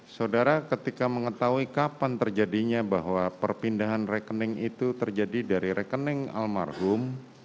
saudara ketika mengetahui kapan terjadinya bahwa perpindahan rekening itu terjadi dari rekening almarhum